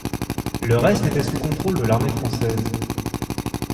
Le reste était sous contrôle de l'armée française.